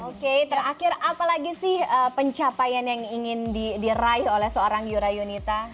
oke terakhir apalagi sih pencapaian yang ingin diraih oleh seorang yura yunita